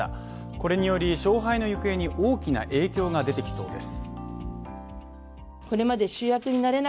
これにより勝敗の行方に大きな影響が出てきそうです。